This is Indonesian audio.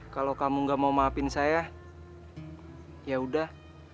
kalau kamu tidak mau maafkan saya ya sudah